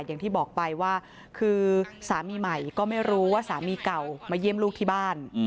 อย่างที่บอกไปว่าคือสามีใหม่ก็ไม่รู้ว่าสามีเก่ามาเยี่ยมลูกที่บ้าน